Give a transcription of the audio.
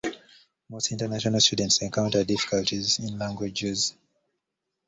Most international students encounter difficulties in language use.